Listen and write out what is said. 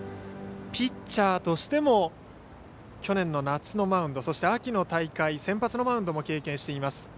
ピッチャーとしても去年の夏のマウンドそして、秋の大会先発のマウンドも経験しています。